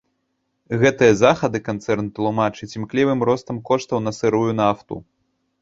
Гэтыя захады канцэрн тлумачыць імклівым ростам коштаў на сырую нафту.